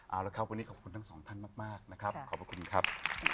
เอาละครับวันนี้ขอบคุณทั้งสองท่านมากนะครับขอบพระคุณครับ